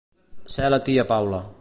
Ser la tia Paula.